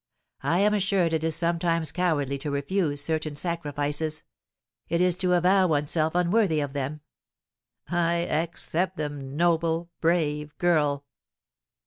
I am assured it is sometimes cowardly to refuse certain sacrifices; it is to avow oneself unworthy of them. I accept them, noble, brave girl!"